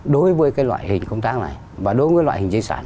đối với cái loại hình công tác này và đối với loại hình dây sản